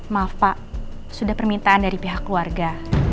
maaf pak sudah permintaan dari pihak keluarga